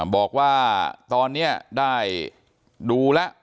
บอกว่าตอนนี้ได้ดูแล้ว